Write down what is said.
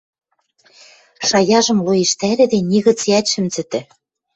Шаяжым лоэштӓрӹде, нигыцеӓт шӹм цӹтӹ.